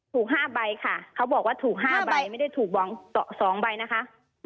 ๕ใบค่ะเขาบอกว่าถูก๕ใบไม่ได้ถูก๒ใบนะคะ